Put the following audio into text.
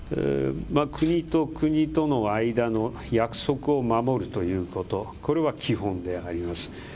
国と国との間の約束を守るということ、これは基本であります。